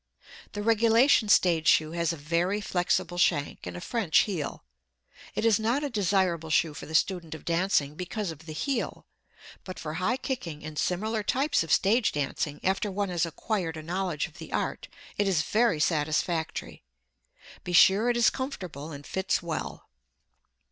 The regulation stage shoe has a very flexible shank and a French heel. It is not a desirable shoe for the student of dancing because of the heel. But for high kicking and similar types of stage dancing after one has acquired a knowledge of the art, it is very satisfactory. Be sure it is comfortable and fits well.